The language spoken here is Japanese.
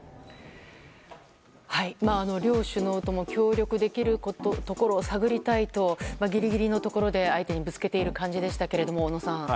両首脳とも協力できるところを探りたいとギリギリのところで相手にぶつけている感じでしたね小野さん。